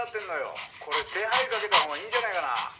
「これ手配かけたほうがいいんじゃないかな？」